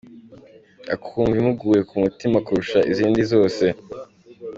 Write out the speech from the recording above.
akumva imuguye ku mutima kurusha izindi zose.